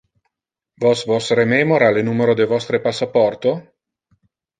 Vos vos rememora le numero de vostre passaporto?